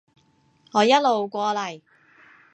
我一路過嚟